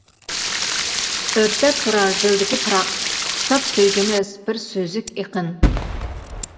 ئۆرتەپ تۇرار دىلدىكى پىراق، ساپ سۆيگۈمىز بىر سۈزۈك ئېقىن.